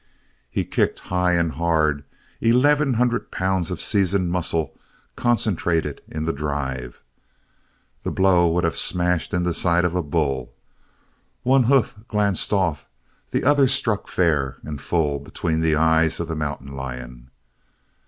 He kicked high and hard, eleven hundred pounds of seasoned muscle concentrated in the drive. The blow would have smashed in the side of a bull. One hoof glanced off, but the other struck fair and full between the eyes of the mountain lion.